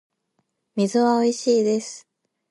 水はおいしいです